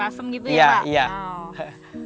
ini kan yang buat di sayur